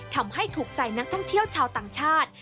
ถูกใจนักท่องเที่ยวชาวต่างชาติ